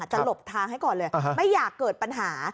หลบทางให้ก่อนเลยไม่อยากเกิดปัญหา